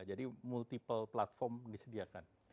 jadi multiple platform disediakan